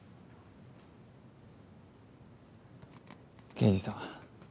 刑事さん